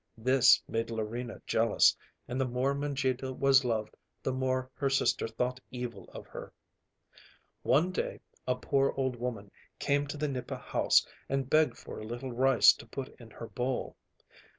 This made Larina jealous, and the more Mangita was loved, the more her sister thought evil of her. One day a poor old woman came to the nipa house and begged for a little rice to put in her bowl.